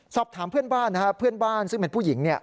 สอบถามเพื่อนบ้านนะฮะเพื่อนบ้านซึ่งเป็นผู้หญิงเนี่ย